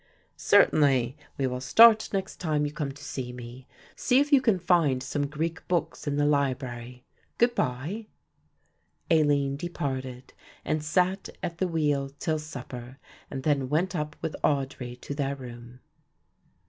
"Certainly, we will start next time you come to see me. See if you can find some Greek books in the library. Good bye." Aline departed and sat at the wheel till supper and then went up with Audry to their room.